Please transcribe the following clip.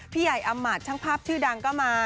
ใหญ่อำมาตช่างภาพชื่อดังก็มา